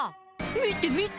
見て見て！